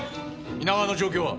皆川の状況は？